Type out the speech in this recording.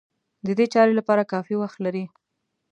د دې چارې لپاره کافي وخت لري.